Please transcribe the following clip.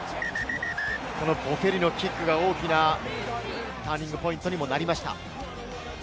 ボフェリのキックが大きなターニングポイントになりました。